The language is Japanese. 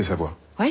はい。